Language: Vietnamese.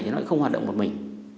thì nó không hoạt động một mình